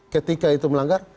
ketika itu melanggar